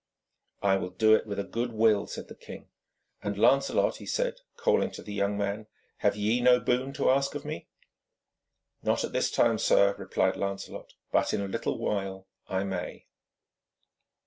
'I will do it with a good will,' said the king. 'And Lancelot,' he said, calling to the young man, 'have ye no boon to ask of me?' 'Not at this time, sir,' replied Lancelot, 'but in a little while I may.'